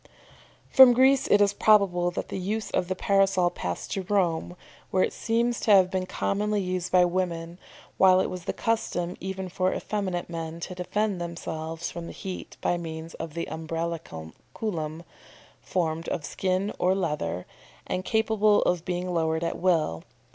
"] From Greece it is probable that the use of the Parasol passed to Rome, where it seems to have been commonly used by women, while it was the custom even for effeminate men to defend themselves from the heat by means of the Umbraculum, formed of skin or leather, and capable of being lowered at will.